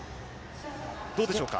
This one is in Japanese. どうでしょうか。